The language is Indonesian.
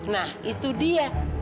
nah itu dia